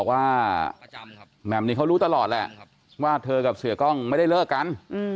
ว่าแหม่มนี้เขารู้ตลอดแหละว่าเธอกับเสียกล้องไม่ได้เลิกกัน